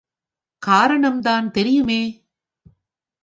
காரணம் தான் தெரியுமே.